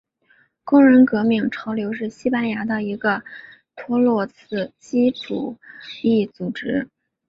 工人革命潮流是西班牙的一个托洛茨基主义组织。